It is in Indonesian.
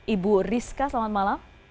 ibu rizka selamat malam